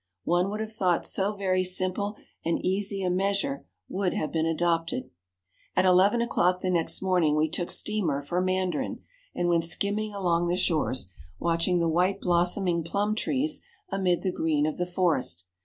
One would have thought so very simple and easy a measure would have been adopted. At eleven o'clock the next morning we took steamer for Mandarin, and went skimming along the shores, watching the white blossoming plum trees amid the green of the forest.